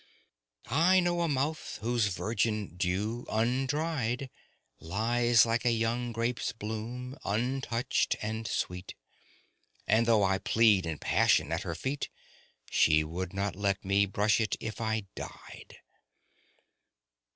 (I know a mouth whose virgin dew, undried, Lies like a young grape's bloom, untouched and sweet, And though I plead in passion at her feet, She would not let me brush it if I died.)